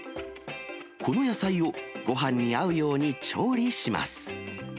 この野菜をごはんに合うように、調理します。